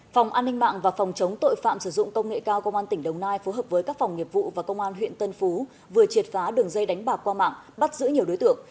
phòng an ninh mạng và phòng chống tội phạm sử dụng công nghệ cao công an tỉnh đồng nai phối hợp với các phòng nghiệp vụ và công an huyện tân phú vừa triệt phá đường dây đánh bạc qua mạng bắt giữ nhiều đối tượng